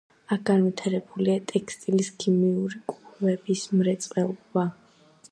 აქ განვითარებულია ტექსტილის, ქიმიური და კვების მრეწველობა.